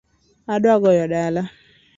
Adwa goyo dala